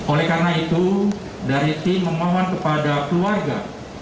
oleh karena itu dari tim memohon kepada keluarga